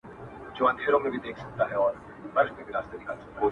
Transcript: چي خوري در نه ژوندي بچي د میني قاسم یاره ,